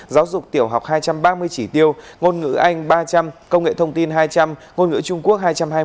giáo dục tiểu học hai trăm ba mươi chỉ tiêu ngôn ngữ anh ba trăm linh công nghệ thông tin hai trăm linh ngôn ngữ trung quốc hai trăm hai mươi